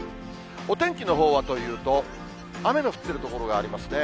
お天気のほうはというと、雨の降っている所がありますね。